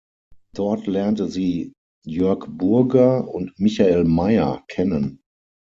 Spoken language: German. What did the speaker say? Dort lernte sie Jörg Burger und Michael Mayer kennen.